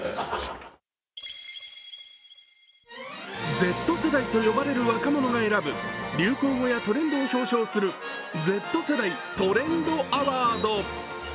Ｚ世代と呼ばれる若者が選ぶ流行語やトレンドを表彰するＺ世代トレンドアワード。